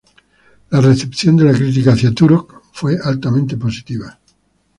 La recepción de la crítica hacía "Turok" fue altamente positiva.